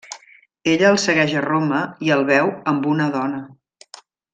Ella el segueix a Roma i el veu amb una dona.